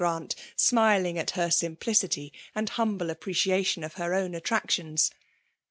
GnMb smiliQg at her simplicity and h|ua(|Ue ap^«7 ciation of her own attractipnp.